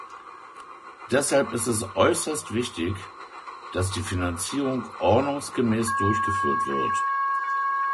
Deshalb ist es äußerst wichtig, dass die Finanzierung ordnungsgemäß durchgeführt wird.